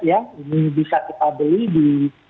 ini bisa kita beli di